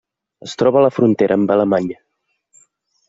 Es troba a la frontera amb Alemanya.